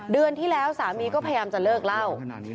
เดือนที่แล้วสามีก็พยายามจะเลิกเล่า